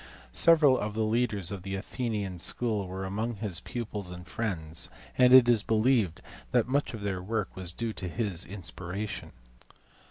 Several of the leaders of the Athenian school were among his pupils and friends, and it is believed that much of their work was due to his inspiration.